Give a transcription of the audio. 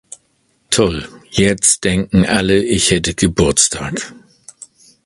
Toll, jetzt denken alle, ich hätte Geburtstag!